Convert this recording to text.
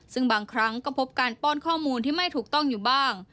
ซึ่งบางครั้งก็พบการป้อนข้อมูลที่ไม่ถูกต้องอยู่บ้าง